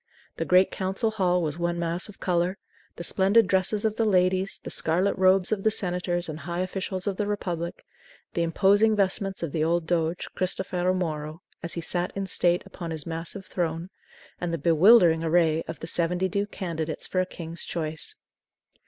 The great Council Hall was one mass of color; the splendid dresses of the ladies, the scarlet robes of the senators and high officials of the Republic, the imposing vestments of the old doge, Cristofero Moro, as he sat in state upon his massive throne, and the bewildering array of the seventy two candidates for a king's choice.